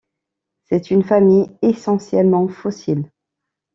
C'est une famille essentiellement fossile.